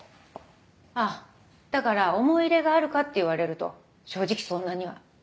あっだから思い入れがあるかって言われると正直そんなには。